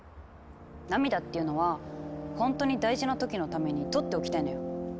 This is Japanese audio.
涙っていうのは本当に大事な時のためにとっておきたいのよきっと。